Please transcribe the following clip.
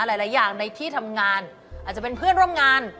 หลายอย่างในที่ทำงานอาจจะเป็นเพื่อนร่วมงาน